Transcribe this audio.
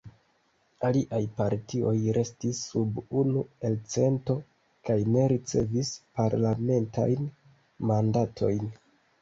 Aliaj partioj restis sub unu elcento kaj ne ricevis parlamentajn mandatojn.